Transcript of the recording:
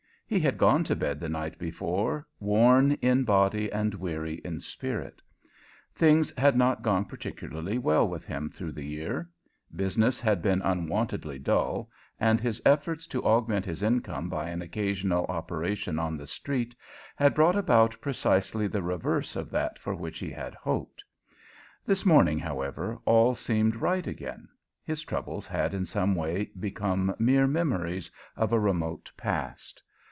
He had gone to bed the night before worn in body and weary in spirit. Things had not gone particularly well with him through the year. Business had been unwontedly dull, and his efforts to augment his income by an occasional operation on the Street had brought about precisely the reverse of that for which he had hoped. This morning, however, all seemed right again. His troubles had in some way become mere memories of a remote past.